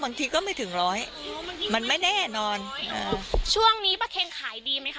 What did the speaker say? ก็ไม่ถึงร้อยมันไม่แน่นอนอ่าช่วงนี้ป้าเคนขายดีไหมคะ